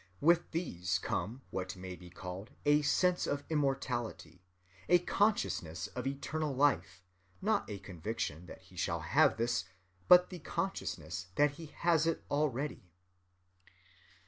With these come what may be called a sense of immortality, a consciousness of eternal life, not a conviction that he shall have this, but the consciousness that he has it already."